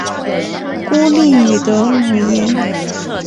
孤立语的语言。